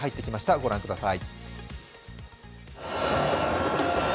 ご覧ください。